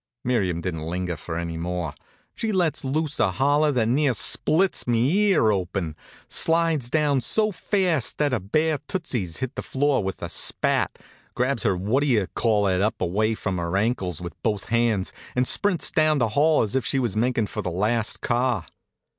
Miriam didn't linger for any more. She lets loose a holler that near splits me ear open, slides down so fast that her bare tootsies hit the floor with a spat, grabs her what d'ye call it up away from her ankles with both hands, and sprints down the hall as if she was makin' for the last car.